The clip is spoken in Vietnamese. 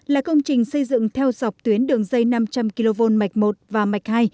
là công trình xây dựng theo dọc tuyến đường dây năm trăm linh kv mạch một và mạch hai